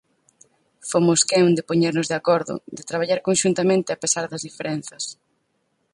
Fomos quen de poñernos de acordo, de traballar conxuntamente a pesar das diferenzas.